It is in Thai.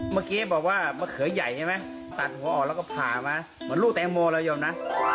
เมื่อกี้บอกว่ามะเขือใหญ่ใช่ไหมตัดหัวออกแล้วก็ผ่ามาเหมือนลูกแตงโมเลยยอมนะ